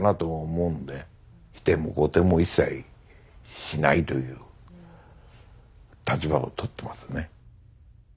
否定も肯定も一切しないという立場をとってますね。